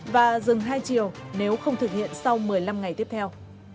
và dừng hai chiều nếu không thực hiện sau một mươi năm ngày tiếp theo